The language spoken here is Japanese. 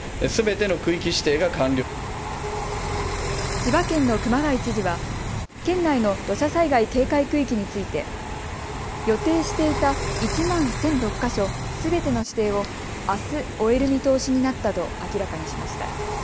千葉県の熊谷知事は県内の土砂災害警戒区域について予定していた１万１００６か所すべての指定をあす終える見通しになったと明らかにしました。